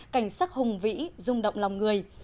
cảnh sắc hùng vĩ rung động lòng người